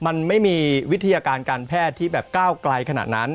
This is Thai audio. มันไม่มีวิทยาการการแพทย์ที่แบบก้าวไกลขนาดนั้น